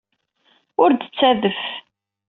Ur d-ttadef.